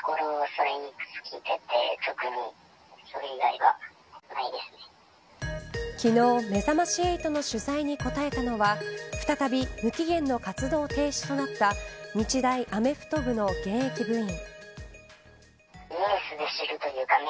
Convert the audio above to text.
逮捕や起訴されている昨日、めざまし８の取材に答えたのは再び無期限の活動停止となった日大アメフト部の現役部員。